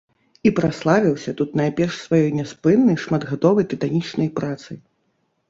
І праславіўся тут найперш сваёй няспыннай, шматгадовай, тытанічнай працай.